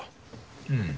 うん。